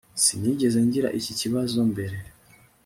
sinigeze ngira iki kibazo mbere